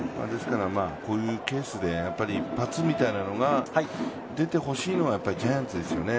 こういうケースで一発みたいなのが出てほしいのはジャイアンツですよね。